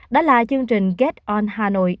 đó là chương trình get on hà nội